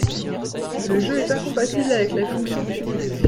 Le jeu est incompatible avec les fonctions publiques.